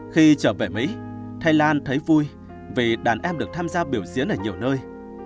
khi trở về mỹ thái lan thấy vui vì đàn em được tham gia biểu diễn ở nhiều nơi